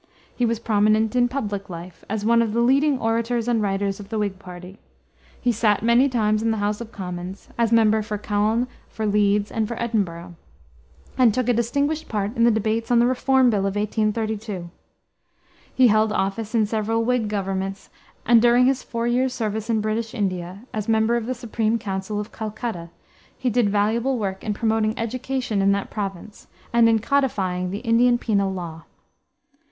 He was prominent in public life as one of the leading orators and writers of the Whig party. He sat many times in the House of Commons, as member for Calne, for Leeds, and for Edinburgh, and took a distinguished part in the debates on the Reform bill of 1832. He held office in several Whig governments, and during his four years' service in British India, as member of the Supreme Council of Calcutta, he did valuable work in promoting education in that province, and in codifying the Indian penal law.